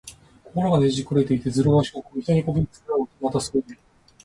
心がねじくれていて、ずるがしこく、人にこびへつらうこと。また、そういう人。